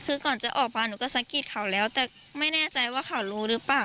คือก่อนจะออกมาหนูก็สะกิดเขาแล้วแต่ไม่แน่ใจว่าเขารู้หรือเปล่า